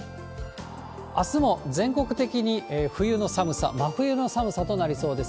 あすも全国的に冬の寒さ、真冬の寒さとなりそうです。